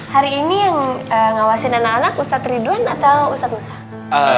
hari ini yang ngawasin anak anak ustaz ridwan atau ustaz musa